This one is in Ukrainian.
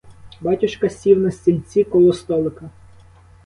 Батюшка сів на стільці коло столика.